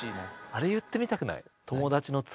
あれ言ってみたくない？